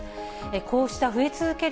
こうした増え続ける